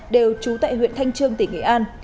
đều trú tại huyện thanh trương tỉnh nghệ an